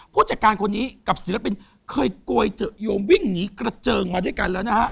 ผู้จัดการคนนี้กับศิลปินเคยโกยเถอะโยมวิ่งหนีกระเจิงมาด้วยกันแล้วนะฮะ